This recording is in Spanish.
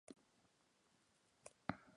El son los villanos de la serie.